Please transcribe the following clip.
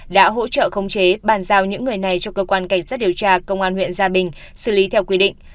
đã hỗ trợ khống chế bàn giao những người này cho cơ quan cảnh sát điều tra công an huyện gia bình xử lý theo quy định